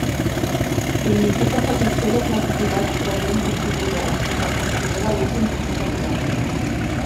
Significa satisfer les necessitats presents o futures i se'l considera l'últim procés econòmic.